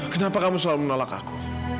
kenapa kamu selalu menolak aku